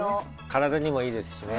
体にもいいですしね